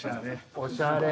おしゃれ。